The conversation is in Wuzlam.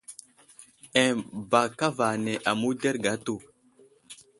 Eŋ ba kava ane aməwuderge atu.